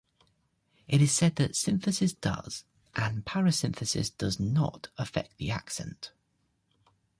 It is said that synthesis does, and parasynthesis does not affect the accent